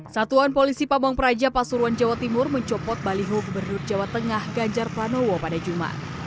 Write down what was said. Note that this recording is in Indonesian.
satuan polisi pabong praja pasuruan jawa timur mencopot baliho gubernur jawa tengah ganjar pranowo pada jumat